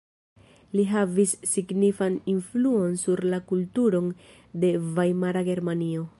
Li havis signifan influon sur la kulturon de Vajmara Germanio.